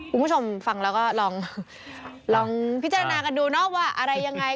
คุณผู้ชมฟังแล้วก็ลองพิจารณากันดูเนาะว่าอะไรยังไง